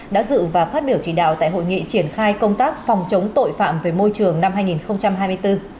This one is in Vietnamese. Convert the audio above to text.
đã dự và phát biểu chỉ đạo tại hội nghị triển khai công tác phòng chống tội phạm về môi trường năm hai nghìn hai mươi bốn